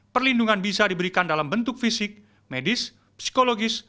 perlindungan bisa diberikan dalam bentuk fisik medis psikologis